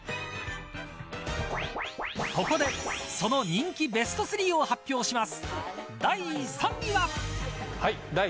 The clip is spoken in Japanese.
ここでその人気ベスト３を発表します。